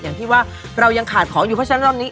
อย่างที่ว่าเรายังขาดของอยู่เพราะฉะนั้นรอบนี้